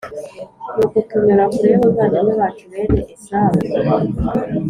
nuko tunyura kure y’abavandimwe bacu, bene esawu+